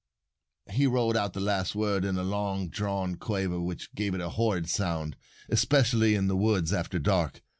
He rolled out the last word in a long drawn quaver which gave it a horrid sound especially in the woods, after dark.